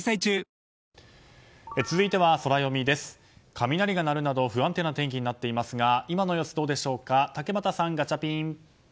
雷が鳴るなど不安定な天気になっていますが今の様子どうでしょうか竹俣さん、ガチャピン。